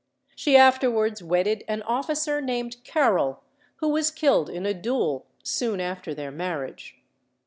She afterwards wedded an officer named Carrol, who was killed in a duel soon after their marriage.